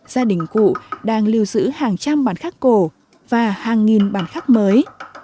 gia đình cụ đang lưu giữ hàng trăm bản khắc cổ và hàng nghìn bản khắc mới